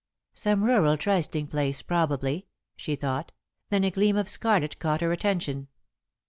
"Some rural trysting place, probably," she thought, then a gleam of scarlet caught her attention.